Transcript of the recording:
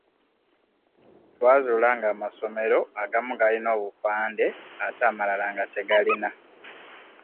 Twazuula ng'amasomero agamu galina obupande ate amalala nga tegalina.